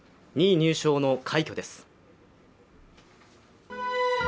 ２位入賞の快挙です。